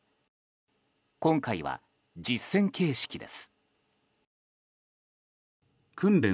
今回は実戦形式です。